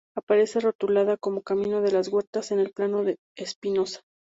Aparece rotulada como camino de las Huertas en el plano de Espinosa.